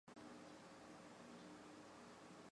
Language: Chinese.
抱嶷居住在直谷。